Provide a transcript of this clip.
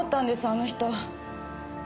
あの人。